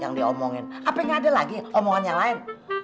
abah tuh sekarang selesain